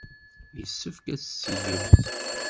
Yessefk ad tt-tgemt.